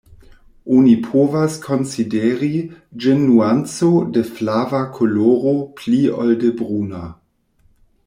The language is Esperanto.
Oni povas konsideri ĝin nuanco de flava koloro pli ol de bruna.